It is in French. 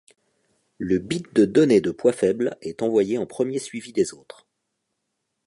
Le bit de donnée de poids faible est envoyé en premier suivi des autres.